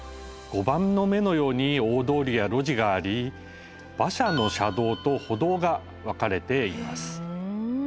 碁盤の目のように大通りや路地があり馬車の車道と歩道が分かれています。